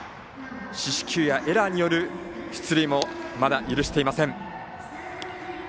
四死球やエラーによる出塁もまだ許していません。